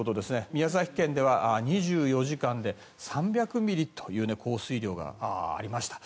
宮崎県では２４時間で３００ミリという降水量がありました。